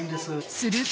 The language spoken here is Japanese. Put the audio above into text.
［すると］